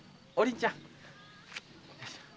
お凛ちゃん。